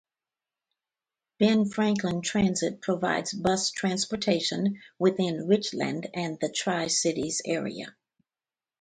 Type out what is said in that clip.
Ben Franklin Transit provides bus transportation within Richland and the Tri-Cities area.